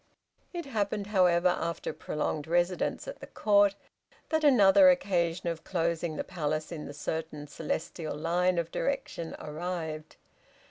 It happened, however, after a prolonged residence at the Court, that another occasion of closing the Palace in the certain celestial line of direction arrived.